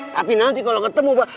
tapi nanti kalau ketemu pak